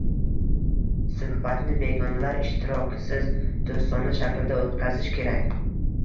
Suhbatni begonalar ishtirokisiz, do‘stona shaklda o‘tkazish kerak.